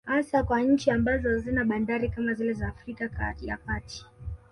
Hasa kwa nchi ambazo hazina bandari kama zile za Afrika ya kati